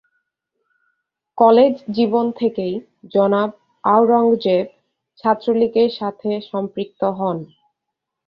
College জীবন থেকেই জনাব আওরঙ্গজেব ছাত্রলীগের সাথে সম্পৃক্ত হন।